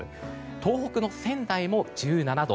東北の仙台も１７度。